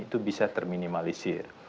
itu bisa terminimalisir